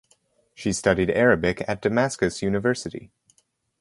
She studied Arabic at Damascus University.